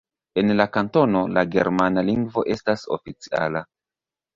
En la kantono, la germana lingvo estas oficiala.